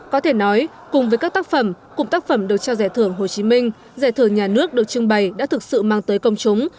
có thể nói cùng với các tác phẩm cùng tác phẩm được trao giải thưởng hồ chí minh giải thưởng nhà nước được trưng bày đã thực sự mang tới công chúng